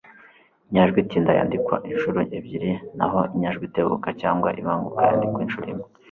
inyajwi itinda yandikwa inshuro ebyiri na ho inyajwi itebuka cyangwa ibanguka yandikwa inshuro imwe